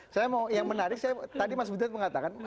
saya mau yang menarik tadi mas butet mengatakan